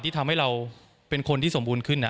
ทำให้เราเป็นคนที่สมบูรณ์ขึ้น